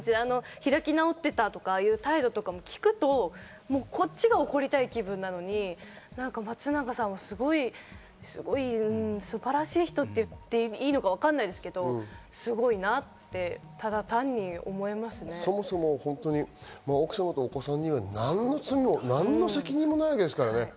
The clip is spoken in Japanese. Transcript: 開き直ってたとかいう態度とかも聞くと、こっちが怒りたい気分なのに松永さんはすごい素晴らしい人って言っていいか分らないですけど、すごいなって、そもそも奥様とお子さんには何の罪も何の責任もないわけですからね。